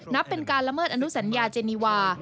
นับเป็นการละเมิดอนุสัญญาเจนีวา